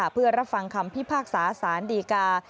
เพื่อรับฟังคำพิพากษาสารดีกา